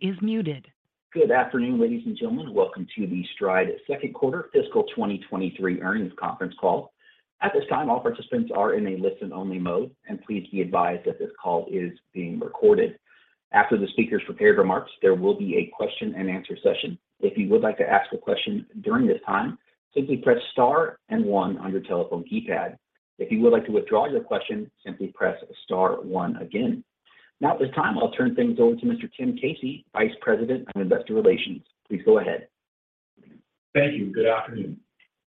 Good afternoon, ladies and gentlemen. Welcome to the Stride second quarter fiscal 2023 earnings conference call. At this time, all participants are in a listen-only mode, and please be advised that this call is being recorded. After the speakers' prepared remarks, there will be a question-and-answer session. If you would like to ask a question during this time, simply press star and one on your telephone keypad. If you would like to withdraw your question, simply press star-one again. Now, at this time, I'll turn things over to Mr. Tim Casey, Vice President of Investor Relations. Please go ahead. Thank you. Good afternoon.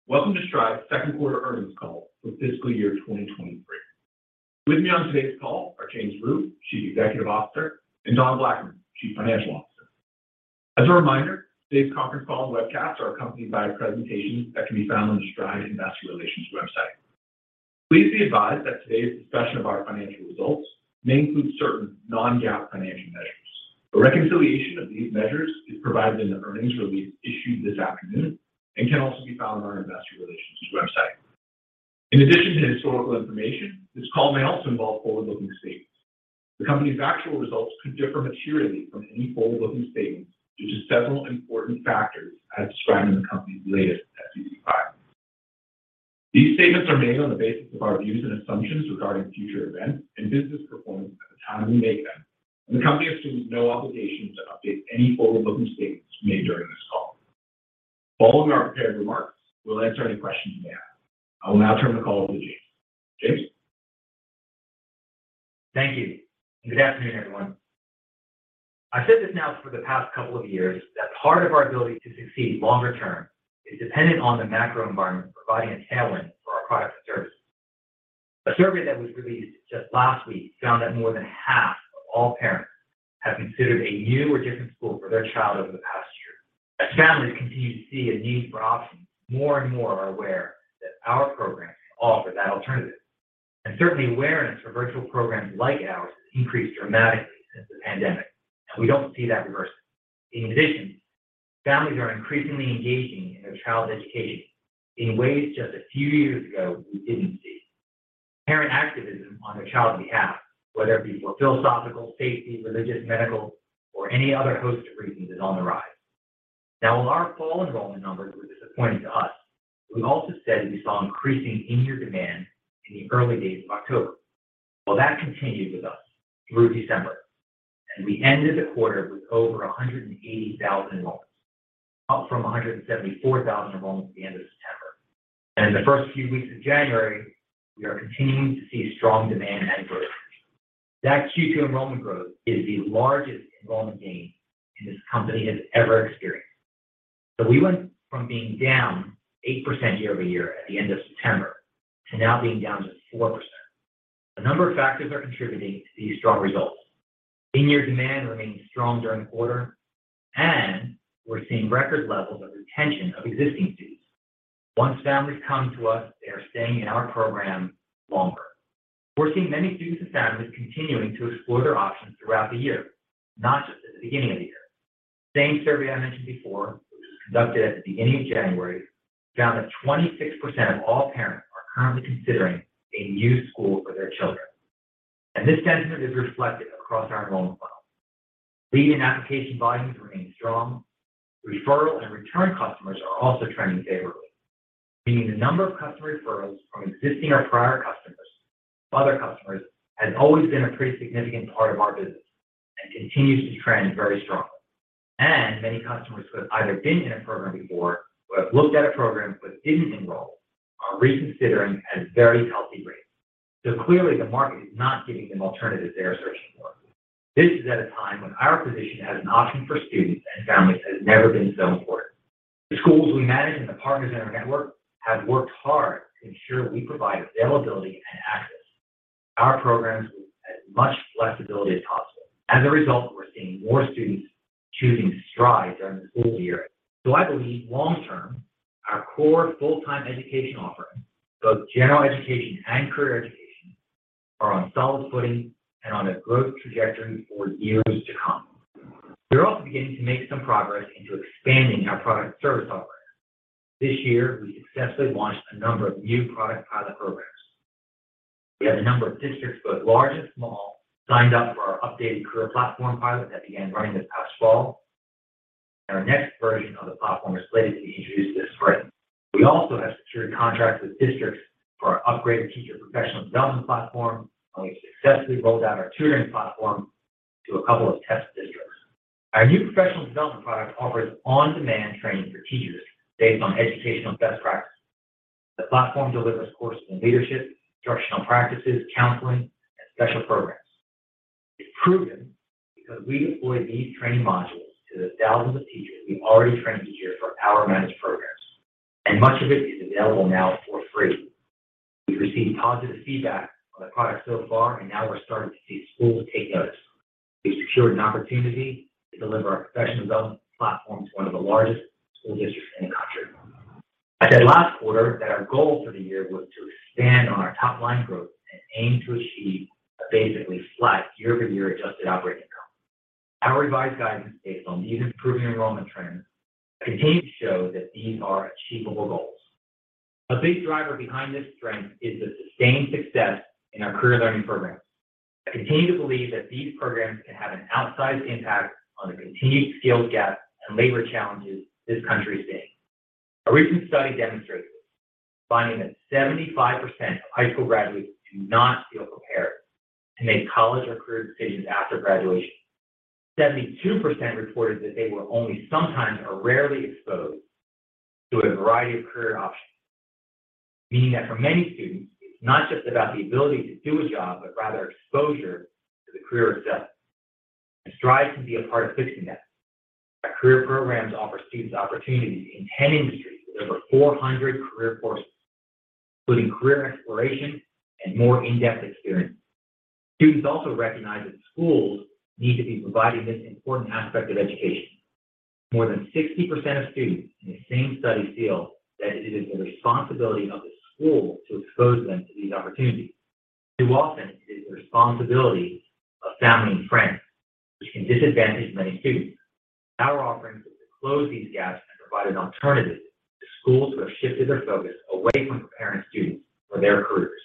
Welcome to Stride's second quarter earnings call for fiscal year 2023. With me on today's call are James Rhyu, Chief Executive Officer, and Donna Blackman, Chief Financial Officer. As a reminder, today's conference call and webcast are accompanied by a presentation that can be found on the Stride Investor Relations website. Please be advised that today's discussion of our financial results may include certain non-GAAP financial measures. A reconciliation of these measures is provided in the earnings release issued this afternoon and can also be found on our investor relations website. In addition to historical information, this call may also involve forward-looking statements. The company's actual results could differ materially from any forward-looking statements due to several important factors as described in the company's latest SEC filings. These statements are made on the basis of our views and assumptions regarding future events and business performance at the time we make them, and the company assumes no obligation to update any forward-looking statements made during this call. Following our prepared remarks, we will answer any questions you may have. I will now turn the call over to James. James? Thank you. Good afternoon, everyone. I've said this now for the past couple of years that part of our ability to succeed longer-term is dependent on the macro environment providing a tailwind for our products and services. A survey that was released just last week found that more than half of all parents have considered a new or different school for their child over the past year. As families continue to see a need for options, more and more are aware that our programs offer that alternative. Certainly awareness for virtual programs like ours has increased dramatically since the pandemic, and we don't see that reversing. In addition, families are increasingly engaging in their child's education in ways just a few years ago we didn't see. Parent activism on their child's behalf, whether it be philosophical, safety, religious, medical, or any other host of reasons, is on the rise. While our fall enrollment numbers were disappointing to us, we also said we saw increasing in-year demand in the early days of October. That continued with us through December, and we ended the quarter with over 180,000 enrollments, up from 174,000 enrollments at the end of September. In the first few weeks of January, we are continuing to see strong demand and growth. That Q2 enrollment growth is the largest enrollment gain this company has ever experienced. We went from being down 8% year-over-year at the end of September to now being down just 4%. A number of factors are contributing to these strong results. In-year demand remains strong during the quarter. We're seeing record levels of retention of existing students. Once families come to us, they are staying in our program longer. We're seeing many students and families continuing to explore their options throughout the year, not just at the beginning of the year. The same survey I mentioned before, which was conducted at the beginning of January, found that 26% of all parents are currently considering a new school for their children. This sentiment is reflected across our enrollment funnel. Lead and application volumes remain strong. Referral and return customers are also trending favorably, meaning the number of customer referrals from existing or prior customers to other customers has always been a pretty significant part of our business and continues to trend very strongly. Many customers who have either been in a program before or have looked at a program but didn't enroll are reconsidering at very healthy rates. Clearly the market is not giving them alternatives they are searching for. This is at a time when our position as an option for students and families has never been so important. The schools we manage and the partners in our network have worked hard to ensure we provide availability and access to our programs with as much flexibility as possible. As a result, we're seeing more students choosing Stride during the school year. I believe long-term, our core full-time education offerings, both general education and career education, are on solid footing and on a growth trajectory for years to come. We're also beginning to make some progress into expanding our product service offering. This year, we successfully launched a number of new product pilot programs. We have a number of districts, both large and small, signed up for our updated career platform pilot that began running this past fall. Our next version of the platform is slated to be introduced this spring. We also have secured contracts with districts for our upgraded teacher professional development platform, and we've successfully rolled out our tutoring platform to a couple of test districts. Our new professional development product offers on-demand training for teachers based on educational best practices. The platform delivers courses in leadership, instructional practices, counseling, and special programs. It's proven because we deploy these training modules to the thousands of teachers we've already trained each year for our managed programs, and much of it is available now for free. We've received positive feedback on the product so far, now we're starting to see schools take notice. We've secured an opportunity to deliver our professional development platform to one of the largest school districts in the country. I said last quarter that our goal for the year was to expand on our top-line growth and aim to achieve a basically flat year-over-year adjusted operating income. Our revised guidance based on these improving enrollment trends continues to show that these are achievable goals. A big driver behind this strength is the sustained success in our career learning programs. I continue to believe that these programs can have an outsized impact on the continued skills gap and labor challenges this country is seeing. A recent study demonstrated this, finding that 75% of high school graduates do not feel prepared to make college or career decisions after graduation. 72% reported that they were only sometimes or rarely exposed to a variety of career options, meaning that for many students, it's not just about the ability to do a job, but rather exposure to the career itself. Stride can be a part of fixing that. Our career programs offer students opportunities in 10 industries with over 400 career courses, including career exploration and more in-depth experiences. Students also recognize that schools need to be providing this important aspect of education. More than 60% of students in the same study feel that it is the responsibility of the school to expose them to these opportunities. Too often, it is the responsibility of family and friends, which can disadvantage many students. Our offerings look to close these gaps and provide an alternative to schools who have shifted their focus away from preparing students for their careers.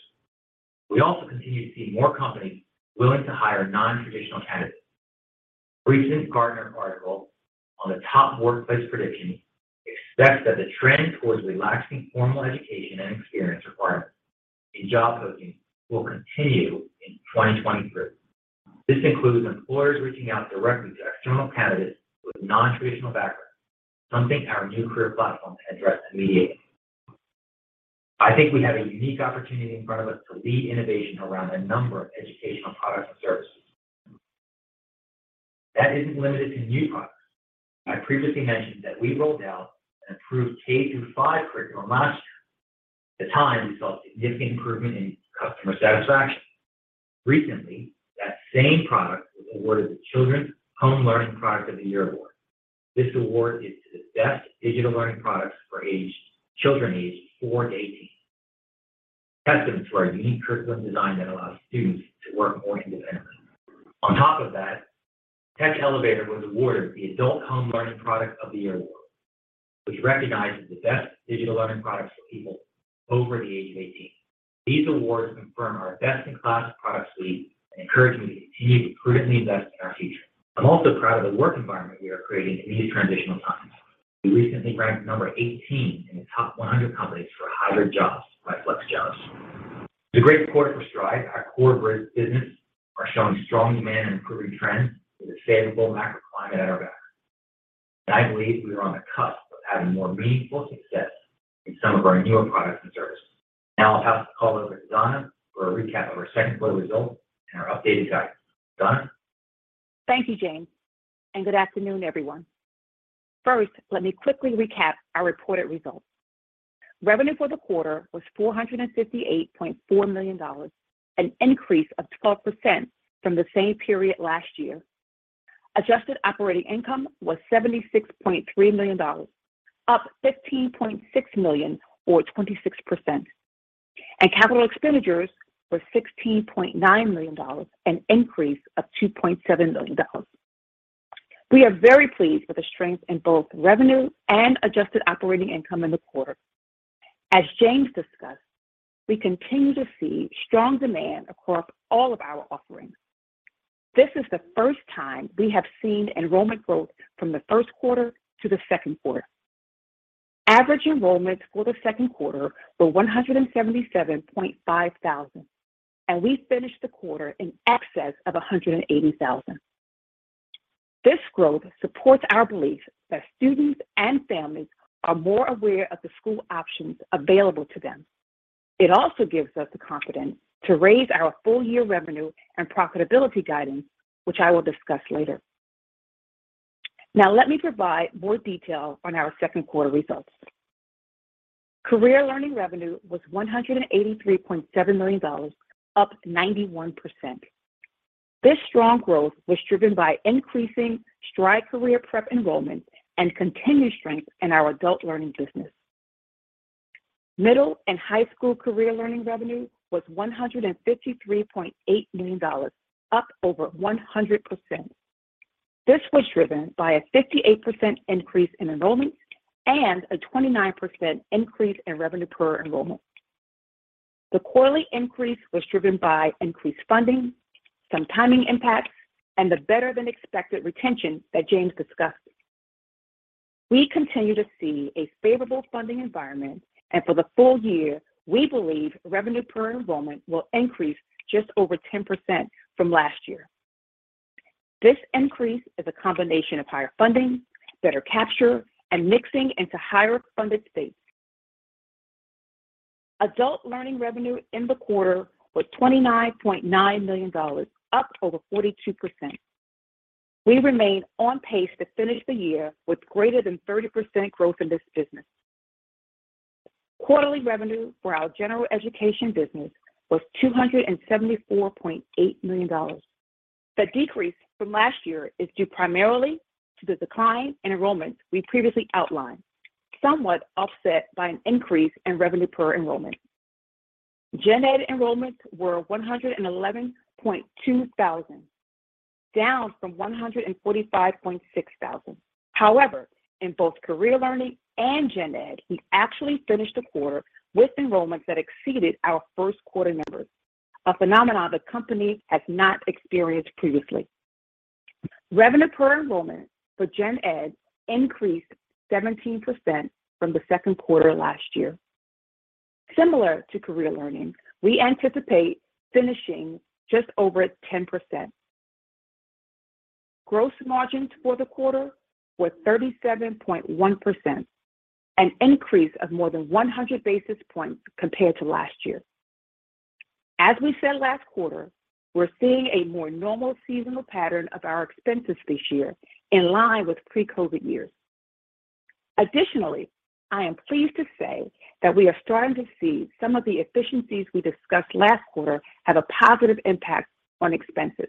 We also continue to see more companies willing to hire nontraditional candidates. A recent Gartner article on the top workplace predictions expects that the trend towards relaxing formal education and experience requirements in job postings will continue in 2023. This includes employers reaching out directly to external candidates with nontraditional backgrounds, something our new career platform can address immediately. I think we have a unique opportunity in front of us to lead innovation around a number of educational products and services. That isn't limited to new products. I previously mentioned that we rolled out an improved K-through-five curriculum last year. At the time, we saw significant improvement in customer satisfaction. Recently, that same product was awarded the Children's Home Learning Product of the Year award. This award is to the best digital learning products for children aged four to 18 years. Testament to our unique curriculum design that allows students to work more independently. On top of that, Tech Elevator was awarded the Adult Home Learning Product of the Year award, which recognizes the best digital learning products for people over the age of 18 years. These awards confirm our best-in-class product suite and encourage me to continue to prudently invest in our future. I'm also proud of the work environment we are creating in these transitional times. We recently ranked number 18 in the top 100 companies for hybrid jobs by FlexJobs. It's a great quarter for Stride. Our core business are showing strong demand and improving trends with a favorable macro climate at our back. I believe we are on the cusp of having more meaningful success in some of our newer products and services. Now I'll pass the call over to Donna for a recap of our second quarter results and our updated guidance. Donna? Thank you, James, and good afternoon, everyone. First, let me quickly recap our reported results. Revenue for the quarter was $458.4 million, an increase of 12% from the same period last year. Adjusted operating income was $76.3 million, up $15.6 million or 26%. Capital expenditures were $16.9 million, an increase of $2.7 million. We are very pleased with the strength in both revenue and adjusted operating income in the quarter. As James discussed, we continue to see strong demand across all of our offerings. This is the first time we have seen enrollment growth from the first quarter to the second quarter. Average enrollments for the second quarter were 177,500, we finished the quarter in excess of 180,000. This growth supports our belief that students and families are more aware of the school options available to them. It also gives us the confidence to raise our full-year revenue and profitability guidance, which I will discuss later. Let me provide more detail on our second quarter results. Career learning revenue was $183.7 million, up 91%. This strong growth was driven by increasing Stride Career Prep enrollment and continued strength in our adult learning business. Middle and high school career learning revenue was $153.8 million, up over 100%. This was driven by a 58% increase in enrollment and a 29% increase in revenue per enrollment. The quarterly increase was driven by increased funding, some timing impacts, and the better-than-expected retention that James discussed. We continue to see a favorable funding environment, and for the full year, we believe revenue per enrollment will increase just over 10% from last year. This increase is a combination of higher funding, better capture, and mixing into higher-funded states. Adult learning revenue in the quarter was $29.9 million, up over 42%. We remain on pace to finish the year with greater than 30% growth in this business. Quarterly revenue for our general education business was $274.8 million. The decrease from last year is due primarily to the decline in enrollment we previously outlined, somewhat offset by an increase in revenue per enrollment. Gen Ed enrollments were 111,200, down from 145,600. However, in both career learning and Gen Ed, we actually finished the quarter with enrollments that exceeded our first quarter numbers, a phenomenon the company has not experienced previously. Revenue per enrollment for Gen Ed increased 17% from the second quarter last year. Similar to career learning, we anticipate finishing just over 10%. Gross margins for the quarter were 37.1%, an increase of more than 100 basis points compared to last year. As we said last quarter, we're seeing a more normal seasonal pattern of our expenses this year in line with pre-COVID years. Additionally, I am pleased to say that we are starting to see some of the efficiencies we discussed last quarter have a positive impact on expenses.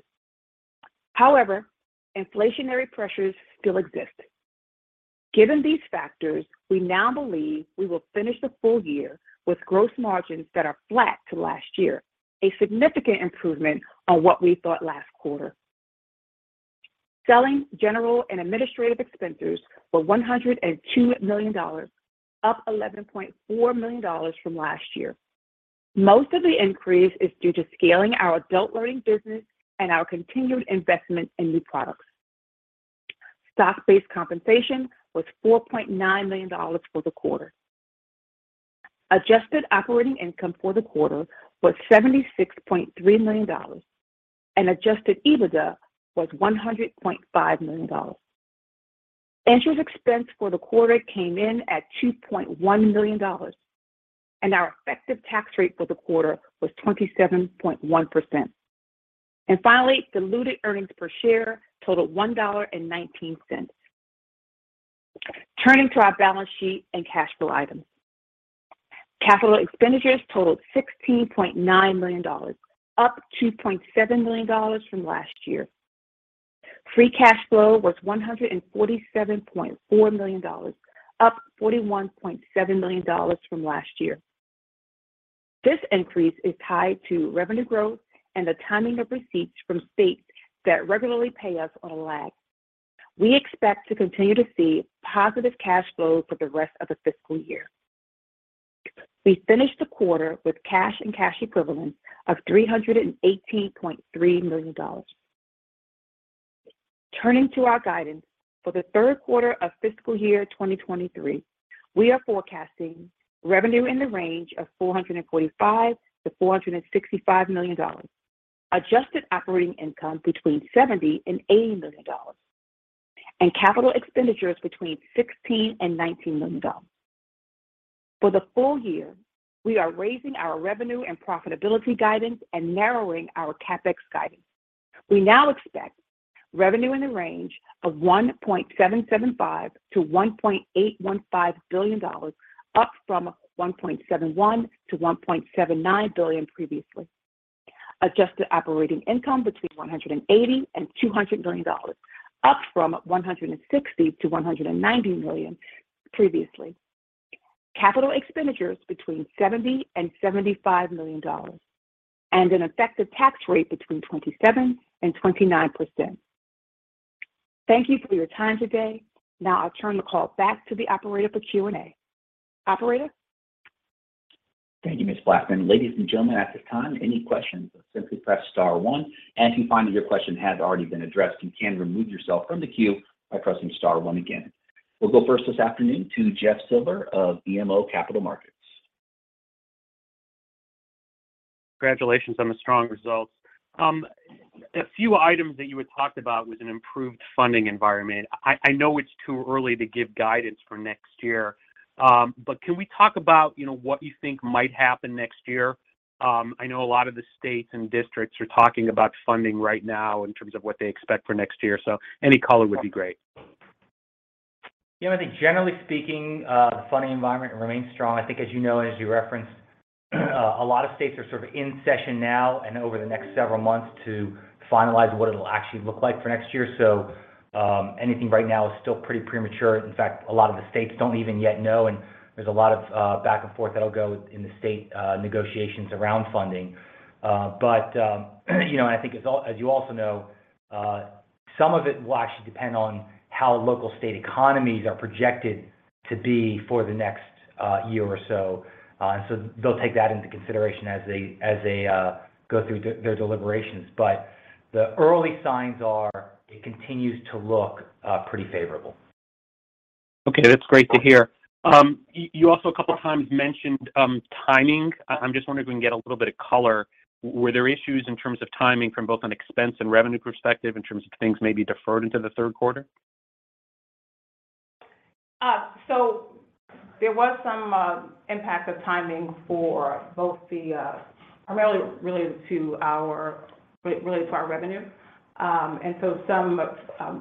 However, inflationary pressures still exist. Given these factors, we now believe we will finish the full year with gross margins that are flat to last year, a significant improvement on what we thought last quarter. Selling, general and administrative expenses were $102 million, up $11.4 million from last year. Most of the increase is due to scaling our adult learning business and our continued investment in new products. Stock-based compensation was $4.9 million for the quarter. Adjusted operating income for the quarter was $76.3 million, and adjusted EBITDA was $100.5 million. Interest expense for the quarter came in at $2.1 million, and our effective tax rate for the quarter was 27.1%. Finally, diluted earnings per share totaled $1.19. Turning to our balance sheet and cash flow items. Capital expenditures totaled $16.9 million, up $2.7 million from last year. Free cash flow was $147.4 million, up $41.7 million from last year. This increase is tied to revenue growth and the timing of receipts from states that regularly pay us on a lag. We expect to continue to see positive cash flow for the rest of the fiscal year. We finished the quarter with cash and cash equivalents of $318.3 million. Turning to our guidance for the third quarter of fiscal year 2023, we are forecasting revenue in the range of $445 million-$465 million, adjusted operating income between $70 million and $80 million, and capital expenditures between $16 million and $19 million. For the full year, we are raising our revenue and profitability guidance and narrowing our CapEx guidance. We now expect revenue in the range of $1.775 billion-$1.815 billion, up from $1.71 billion-$1.79 billion previously. Adjusted operating income between $180 million and $200 million, up from $160 million-$190 million previously. Capital expenditures between $70 million and $75 million, an effective tax rate between 27% and 29%. Thank you for your time today. I turn the call back to the operator for Q&A. Operator? Thank you, Ms. Blackman. Ladies and gentlemen, at this time, any questions, simply press star-one. If you find that your question has already been addressed, you can remove yourself from the queue by pressing star-one again. We'll go first this afternoon to Jeffrey Silber of BMO Capital Markets. Congratulations on the strong results. A few items that you had talked about was an improved funding environment. I know it's too early to give guidance for next year, but can we talk about, you know, what you think might happen next year? I know a lot of the states and districts are talking about funding right now in terms of what they expect for next year, so any color would be great. Yeah, I think generally speaking, the funding environment remains strong. I think as you know, and as you referenced, a lot of states are sort of in session now and over the next several months to finalize what it'll actually look like for next year. Anything right now is still pretty premature. In fact, a lot of the states don't even yet know, and there's a lot of back and forth that'll go in the state negotiations around funding. You know, and I think as you also know, some of it will actually depend on how local state economies are projected to be for the next year or so. They'll take that into consideration as they go through their deliberations. The early signs are it continues to look pretty favorable. Okay. That's great to hear. You also a couple of times mentioned, timing. I'm just wondering if we can get a little bit of color? Were there issues in terms of timing from both an expense and revenue perspective in terms of things maybe deferred into the third quarter? There was some impact of timing for both the primarily related to our revenue. Some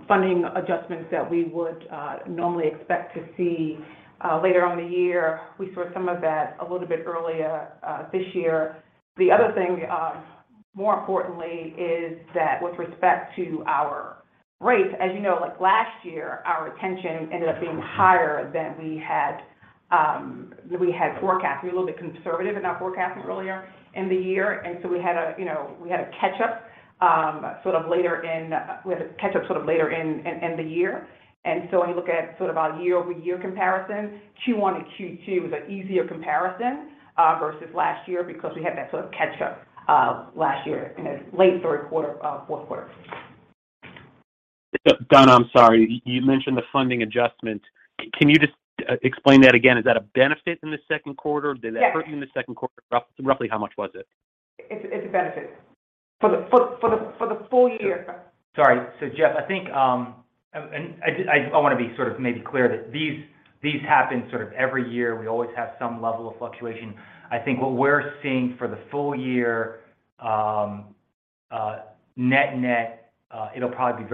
funding adjustments that we would normally expect to see later on in the year, we saw some of that a little bit earlier this year. The other thing, more importantly is that with respect to our, right. As you know, like last year, our retention ended up being higher than we had than we had forecasted. We were a little bit conservative in our forecasting earlier in the year. We had a, you know, we had a catch up sort of later in the year. When you look at sort of our year-over-year comparison, Q1 to Q2 was an easier comparison versus last year because we had that sort of catch up last year in late third quarter, fourth quarter. Donna, I'm sorry. You mentioned the funding adjustment. Can you just explain that again? Is that a benefit in the second quarter? Did that hurt you in the second quarter? Roughly how much was it? It's a benefit for the full year. Sorry. I want to be sort of maybe clear that these happen sort of every year. We always have some level of fluctuation. I think what we're seeing for the full year, net-net, it'll probably be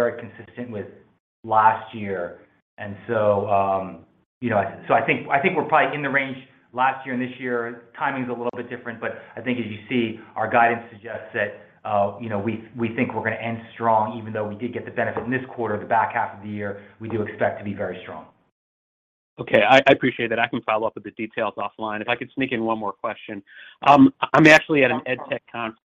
very consistent with last year. you know, I think we're probably in the range last year and this year. Timing's a little bit different, I think as you see, our guidance suggests that, you know, we think we're going to end strong, even though we did get the benefit in this quarter, the back half of the year, we do expect to be very strong. Okay. I appreciate that. I can follow up with the details offline. If I could sneak in one more question. I'm actually at an ed tech conference,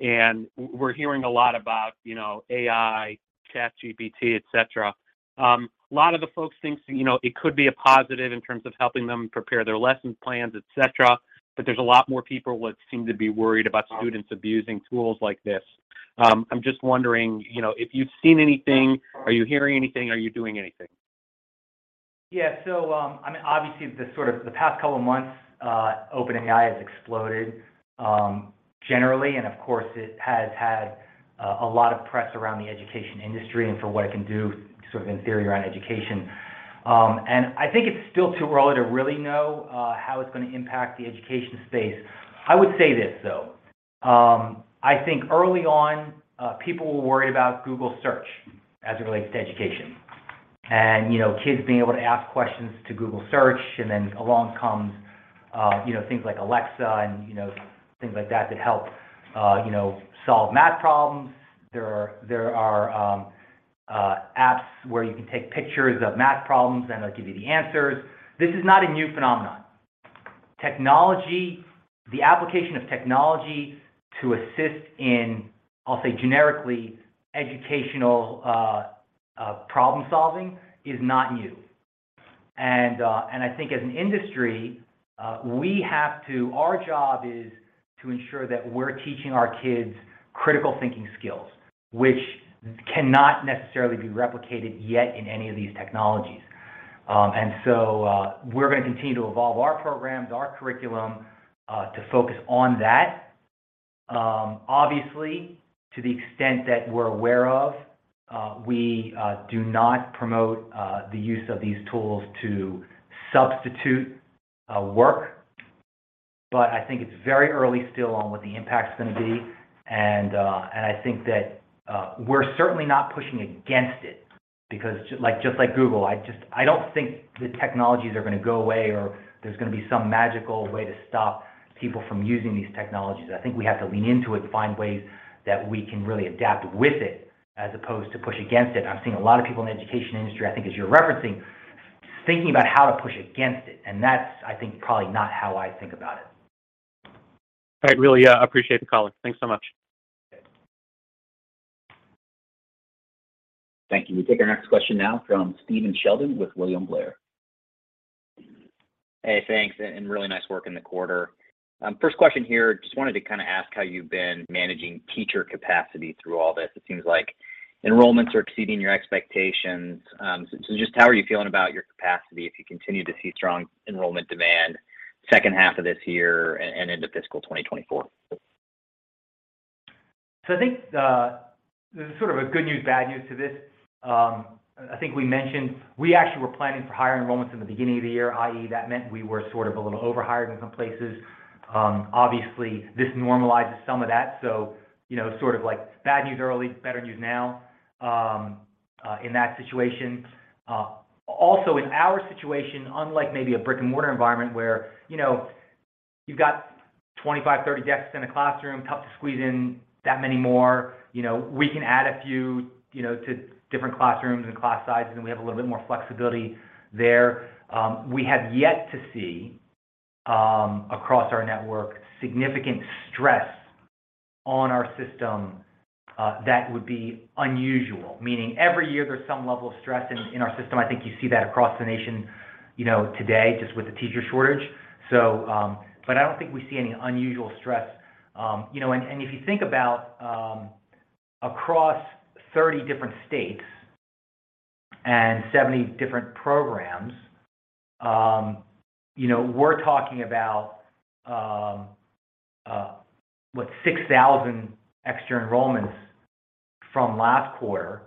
and we're hearing a lot about, you know, AI, ChatGPT, etc. A lot of the folks think, you know, it could be a positive in terms of helping them prepare their lesson plans, etc., but there's a lot more people what seem to be worried about students abusing tools like this. I'm just wondering, you know, if you've seen anything, are you hearing anything? Are you doing anything? Yeah. I mean, obviously, the sort of the past couple of months, OpenAI has exploded generally. Of course, it has had a lot press around the education industry and for what it can do sort of in theory around education. I think it's still too early to really know how it's going to impact the education space. I would say this, though. I think early on, people were worried about Google Search as it relates to education, and, you know, kids being able to ask questions to Google Search, and then along comes, you know, things like Alexa and, you know, things like that that help, you know, solve math problems. There are apps where you can take pictures of math problems, and they'll give you the answers. This is not a new phenomenon. The application of technology to assist in, I'll say generically, educational, problem-solving is not new. I think as an industry, Our job is to ensure that we're teaching our kids critical thinking skills, which cannot necessarily be replicated yet in any of these technologies. We're going to continue to evolve our programs, our curriculum, to focus on that. Obviously, to the extent that we're aware of, we do not promote, the use of these tools to substitute, work. I think it's very early still on what the impact is going to be. I think that, we're certainly not pushing against it because just like Google. I don't think the technologies are going to go away or there's going to be some magical way to stop people from using these technologies. I think we have to lean into it to find ways that we can really adapt with it as opposed to push against it. I'm seeing a lot of people in the education industry, I think as you're referencing, thinking about how to push against it. That's, I think, probably not how I think about it. I really appreciate the call. Thanks so much. Thank you. We take our next question now from Stephen Sheldon with William Blair. Hey, thanks, and really nice work in the quarter. First question here, just wanted to kind of ask how you've been managing teacher capacity through all this. It seems like enrollments are exceeding your expectations. Just how are you feeling about your capacity if you continue to see strong enrollment demand second half of this year and into fiscal 2024? I think there's sort of a good news, bad news to this. I think we mentioned we actually were planning for higher enrollments in the beginning of the year, i.e., that meant we were sort of a little over-hired in some places. Obviously, this normalizes some of that, you know, sort of like bad news early, better news now in that situation. Also in our situation, unlike maybe a brick-and-mortar environment where, you know, you've got 25, 30 desks in a classroom, tough to squeeze in that many more. You know, we can add a few, you know, to different classrooms and class sizes, and we have a little bit more flexibility there. We have yet to see across our network, significant stress on our system that would be unusual, meaning every year there's some level of stress in our system. I think you see that across the nation, you know, today, just with the teacher shortage. I don't think we see any unusual stress. You know, if you think about across 30 different states and 70 different programs, you know, we're talking about what, 6,000 extra enrollments from last quarter,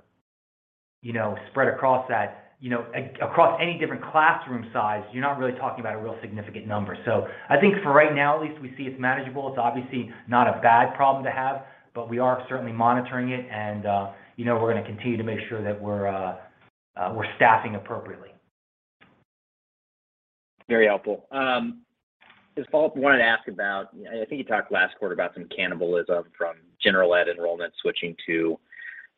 you know, spread across that. You know, across any different classroom size, you're not really talking about a real significant number. I think for right now, at least we see it's manageable. It's obviously not a bad problem to have, but we are certainly monitoring it. You know, we're going to continue to make sure that we're staffing appropriately. Very helpful. Just follow up, wanted to ask about, I think you talked last quarter about some cannibalism from Gen Ed enrollment switching to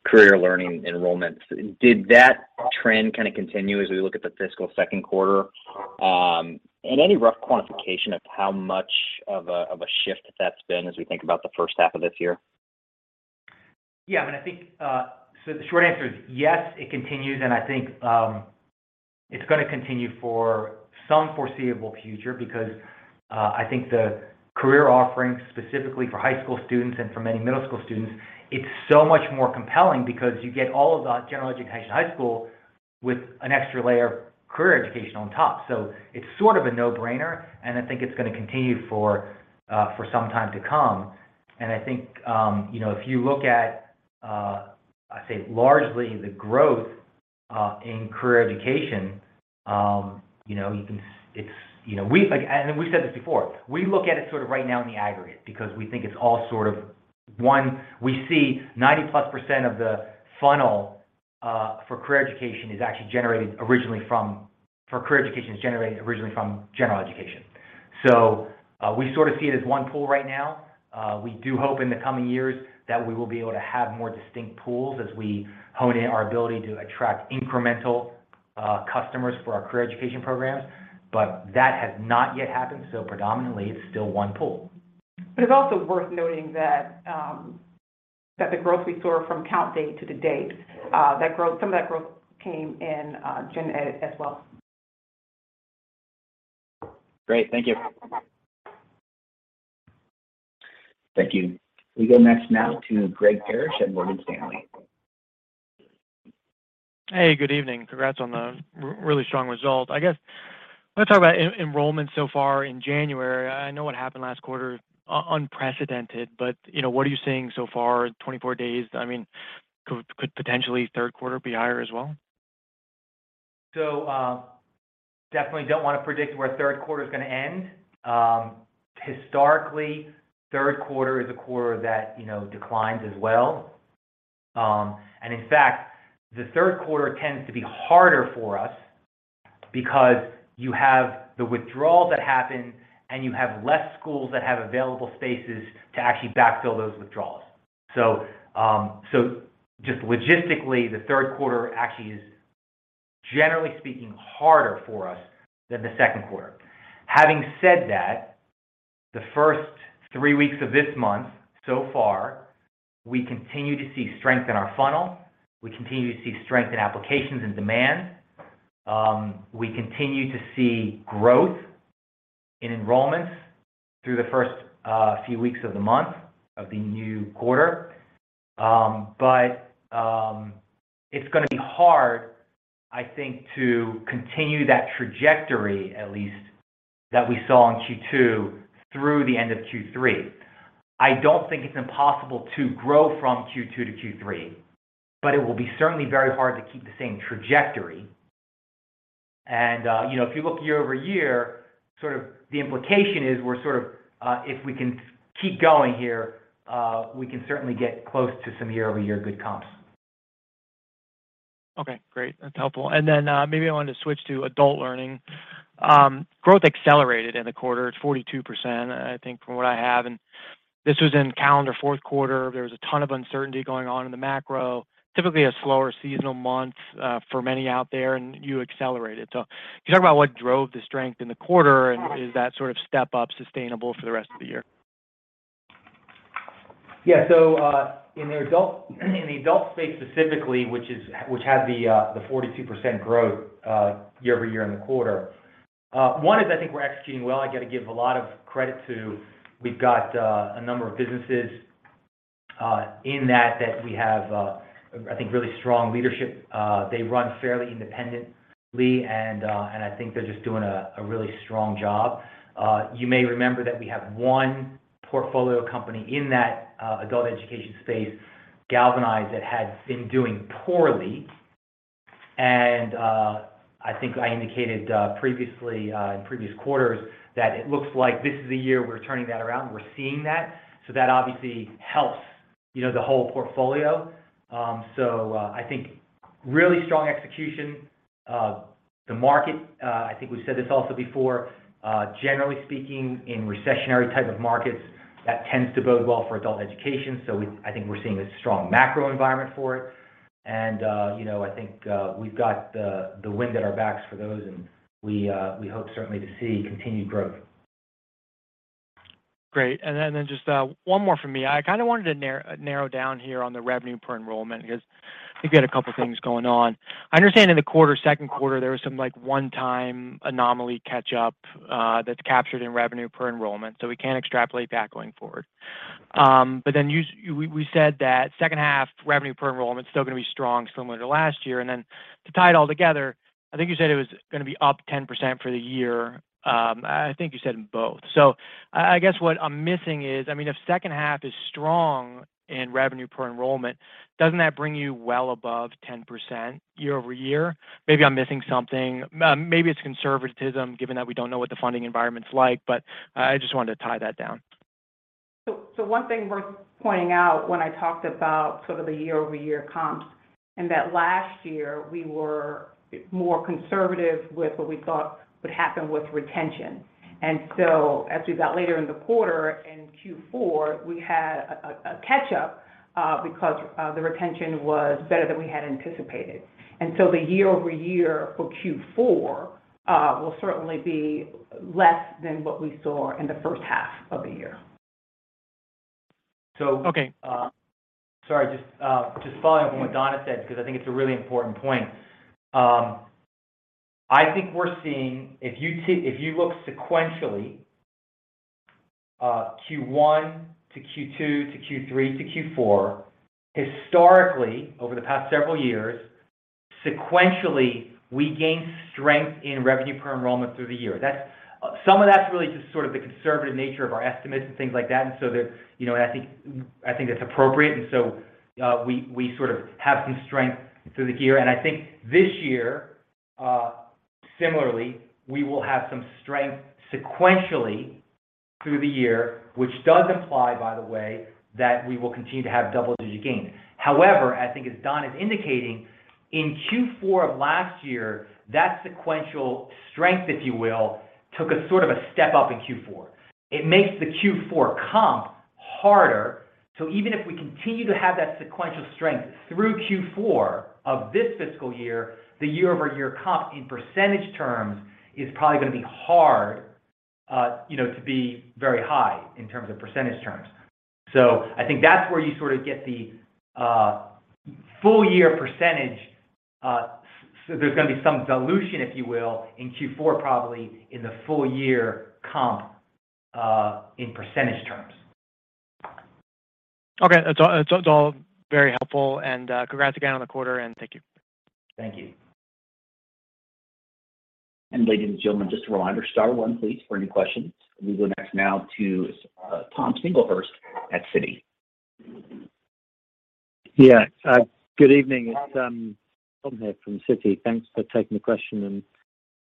career learning enrollment. Did that trend kind of continue as we look at the fiscal second quarter? Any rough quantification of how much of a shift that's been as we think about the first half of this year? Yeah. I mean, I think, so the short answer is yes, it continues, and I think, it's going to continue for some foreseeable future because, I think the career offerings, specifically for high school students and for many middle school students, it's so much more compelling because you get all of the general education high school with an extra layer of career education on top. It's sort of a no-brainer, and I think it's going to continue for some time to come. I think, you know, if you look at, I'd say largely the growth in career education, you know, like, and we've said this before. We look at it sort of right now in the aggregate because we think it's all sort of one, we see 90%+ of the funnel for career education is actually generated originally from general education. We sort of see it as one pool right now. We do hope in the coming years that we will be able to have more distinct pools as we hone in our ability to attract incremental customers for our career education programs. That has not yet happened, predominantly it's still one pool. It's also worth noting that the growth we saw from count date to the date, some of that growth came in Gen Ed as well. Great. Thank you. Thank you. We go next now to Greg Parrish at Morgan Stanley. Hey, good evening. Congrats on the really strong result. I guess let's talk about enrollment so far in January. I know what happened last quarter, unprecedented, but, you know, what are you seeing so far, 24 days? I mean, could potentially third quarter be higher as well? Definitely don't wanna predict where third quarter is going to end. Historically, third quarter is a quarter that, you know, declines as well. In fact, the third quarter tends to be harder for us because you have the withdrawals that happen, and you have less schools that have available spaces to actually backfill those withdrawals. Just logistically, the third quarter actually is, generally speaking, harder for us than the second quarter. Having said that, the first three weeks of this month so far, we continue to see strength in our funnel. We continue to see strength in applications and demand. We continue to see growth in enrollments through the first few weeks of the month of the new quarter. It's going to be hard, I think, to continue that trajectory at least that we saw in Q2 through the end of Q3. I don't think it's impossible to grow from Q2 to Q3, but it will be certainly very hard to keep the same trajectory. You know, if you look year-over-year, sort of the implication is we're sort of, if we can keep going here, we can certainly get close to some year-over-year good comps. Okay. Great. That's helpful. Maybe I wanted to switch to adult learning. Growth accelerated in the quarter. It's 42%, I think, from what I have. This was in calendar fourth quarter. There was a ton of uncertainty going on in the macro, typically a slower seasonal month, for many out there, and you accelerated. Can you talk about what drove the strength in the quarter, and is that sort of step-up sustainable for the rest of the year? Yeah. In the adult space specifically, which had the 42% growth year-over-year in the quarter, one is I think we're executing well. I gotta give a lot of credit to... We've got a number of businesses in that we have, I think really strong leadership. They run fairly independently, and I think they're just doing a really strong job. You may remember that we have one portfolio company in that adult education space, Galvanize, that had been doing poorly. I think I indicated previously in previous quarters that it looks like this is the year we're turning that around. We're seeing that, so that obviously helps, you know, the whole portfolio. I think really strong execution. The market, I think we've said this also before, generally speaking, in recessionary type of markets, that tends to bode well for adult education. I think we're seeing a strong macro environment for it. You know, I think, we've got the wind at our backs for those, and we hope certainly to see continued growth. Great. Just one more from me. I kind of wanted to narrow down here on the revenue per enrollment because I think you had a couple things going on. I understand in the quarter, second quarter, there was some, like, one-time anomaly catch-up that's captured in revenue per enrollment, so we can't extrapolate that going forward. We said that second half revenue per enrollment's still going to be strong similar to last year. To tie it all together, I think you said it was going to be up 10% for the year. I think you said in both. I guess what I'm missing is, I mean, if second half is strong in revenue per enrollment, doesn't that bring you well above 10% year-over-year? Maybe I'm missing something. Maybe it's conservatism given that we don't know what the funding environment's like, but I just wanted to tie that down. One thing worth pointing out when I talked about sort of the year-over-year comps and that last year we were more conservative with what we thought would happen with retention. As we got later in the quarter, in Q4, we had a catch up because the retention was better than we had anticipated. The year-over-year for Q4 will certainly be less than what we saw in the first half of the year. Sorry, just following up on what Donna said, because I think it's a really important point. I think we're seeing if you look sequentially, Q1 to Q2 to Q3 to Q4, historically over the past several years, sequentially, we gained strength in revenue per enrollment through the year. Some of that's really just sort of the conservative nature of our estimates and things like that. That, you know, and I think, I think that's appropriate. We sort of have some strength through the year. I think this year, similarly, we will have some strength sequentially through the year, which does imply, by the way, that we will continue to have double digit gain. However, I think as Donna is indicating, in Q4 of last year, that sequential strength, if you will, took a sort of a step up in Q4. It makes the Q4 comp harder. Even if we continue to have that sequential strength through Q4 of this fiscal year, the year-over-year comp in percentage terms is probably going to be hard, you know, to be very high in terms of percentage terms. I think that's where you sort of get the full year percentage. So there's going to be some dilution, if you will, in Q4, probably in the full year comp, in percentage terms. Okay. That's all very helpful. Congrats again on the quarter, and thank you. Thank you. Ladies and gentlemen, just a reminder, star one, please, for any questions. We go next now to Thomas Singlehurst at Citi. Yeah. Good evening. It's Tom here from Citi. Thanks for taking the question and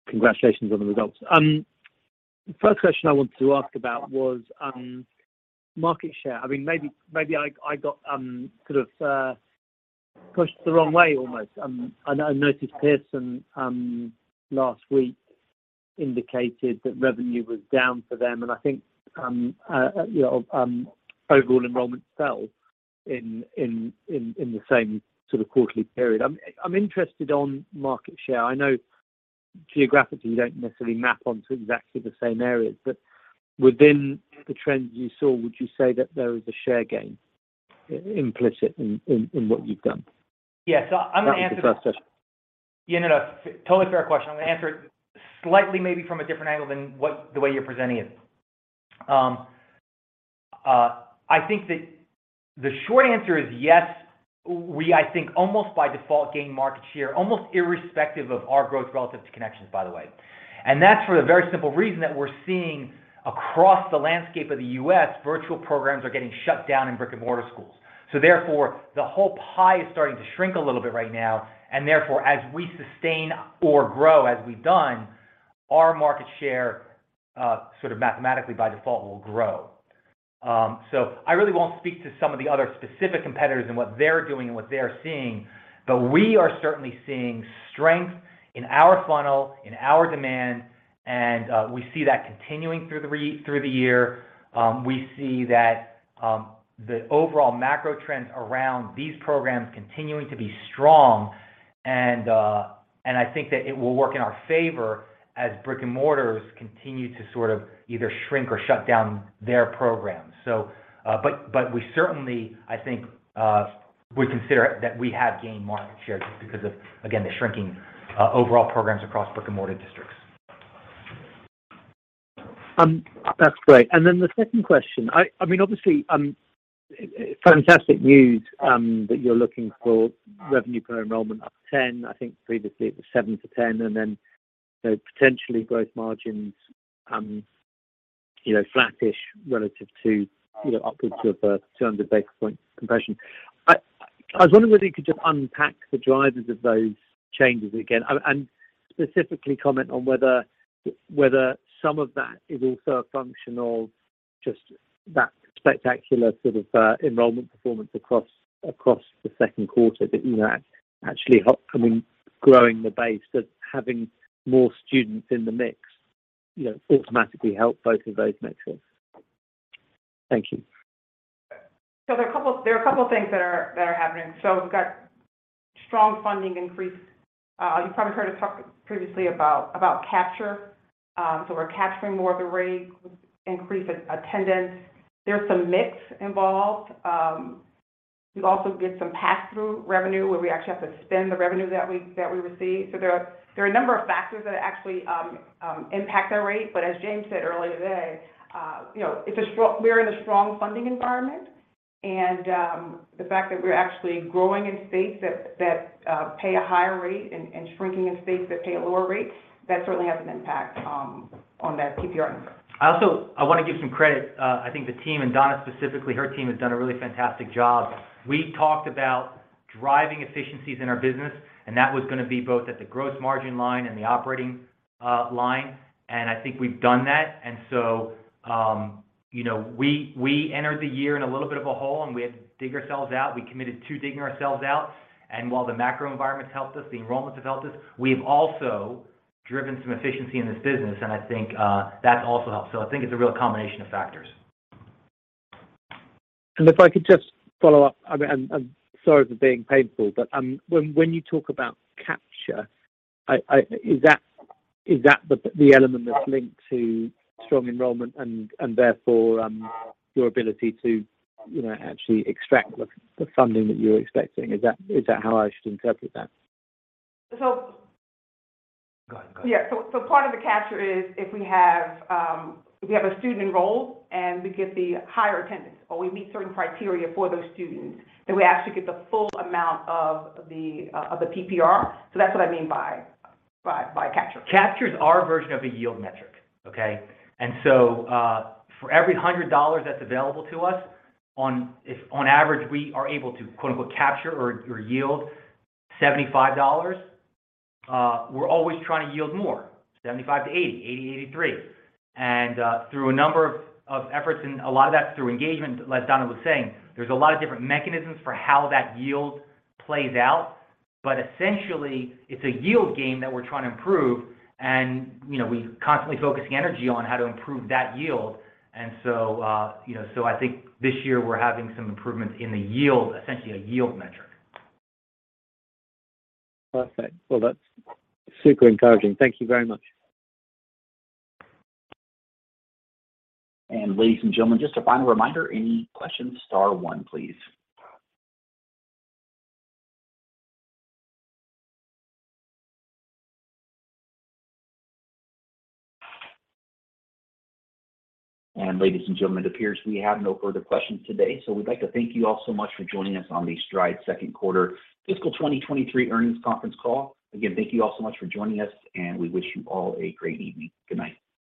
congratulations on the results. First question I wanted to ask about was market share. I mean, maybe I got sort of pushed the wrong way almost. I noticed Pearson last week indicated that revenue was down for them. I think, you know, overall enrollment fell in the same sort of quarterly period. I'm interested on market share. I know geographically you don't necessarily map onto exactly the same areas, but within the trends you saw, would you say that there is a share gain implicit in what you've done? That was the first question. Yeah, no. Totally fair question. I'm going to answer it slightly maybe from a different angle than what the way you're presenting it. I think that the short answer is yes. We, I think, almost by default gain market share, almost irrespective of our growth relative to Connections, by the way. That's for the very simple reason that we're seeing across the landscape of the U.S., virtual programs are getting shut down in brick-and-mortar schools. Therefore, the whole pie is starting to shrink a little bit right now. Therefore, as we sustain or grow as we've done, our market share, sort of mathematically by default, will grow. I really won't speak to some of the other specific competitors and what they're doing and what they're seeing. We are certainly seeing strength in our funnel, in our demand, and we see that continuing through the year. We see that the overall macro trends around these programs continuing to be strong, and I think that it will work in our favor as brick-and-mortars continue to sort of either shrink or shut down their programs. We certainly, I think, would consider that we have gained market share just because of, again, the shrinking overall programs across brick-and-mortar districts. That's great. And then the second question. I mean, obviously, fantastic news, that you're looking for revenue per enrollment up 10%. I think previously it was 7%-10%, and then, you know, potentially growth margins, you know, flattish relative to, you know, upwards of a 200 basis point compression. I was wondering whether you could just unpack the drivers of those changes again and specifically comment on whether some of that is also a function of just that spectacular sort of, enrollment performance across the second quarter that, you know, actually help. I mean, growing the base, does having more students in the mix, you know, automatically help both of those metrics? Thank you. There are a couple of things that are happening. We've got strong funding increase. You probably heard us talk previously about capture. We're capturing more of the rate increase in attendance. There's some mix involved. We also get some passthrough revenue where we actually have to spend the revenue that we receive. There are a number of factors that actually impact our rate. As James said earlier today, you know, it's a we're in a strong funding environment. The fact that we're actually growing in states that pay a higher rate and shrinking in states that pay a lower rate, that certainly has an impact on that PPR increase. I also I wanna give some credit. I think the team, and Donna specifically, her team, has done a really fantastic job. We talked about driving efficiencies in our business, and that was going to be both at the gross margin line and the operating line, and I think we've done that. You know, we entered the year in a little bit of a hole, and we had to dig ourselves out. We committed to digging ourselves out. While the macro environment's helped us, the enrollments have helped us, we've also driven some efficiency in this business, and I think that's also helped. I think it's a real combination of factors. If I could just follow up. I mean, I'm sorry for being painful, but when you talk about capture. Is that the element that's linked to strong enrollment and therefore your ability to, you know, actually extract the funding that you're expecting? Is that how I should interpret that? Go ahead. Yeah. Part of the capture is if we have, if we have a student enrolled, and we get the higher attendance, or we meet certain criteria for those students, then we actually get the full amount of the, of the PPR. That's what I mean by capture. Capture's our version of a yield metric, okay? For every $100 that's available to us, if on average, we are able to, quote-unquote, "capture" or yield $75, we're always trying to yield more, $75-$80, $80-$83. Through a number of efforts, and a lot of that's through engagement, like Donna was saying, there's a lot of different mechanisms for how that yield plays out. Essentially, it's a yield game that we're trying to improve and, you know, we constantly focusing energy on how to improve that yield. I think this year we're having some improvements in the yield, essentially a yield metric. Perfect. That's super encouraging. Thank you very much. Ladies and gentlemen, just a final reminder, any questions, star-one, please. Ladies and gentlemen, it appears we have no further questions today. We'd like to thank you all so much for joining us on the Stride second quarter fiscal 2023 earnings conference call. Again, thank you all so much for joining us, and we wish you all a great evening. Good night.